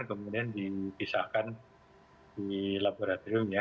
kemudian dipisahkan di laboratorium ya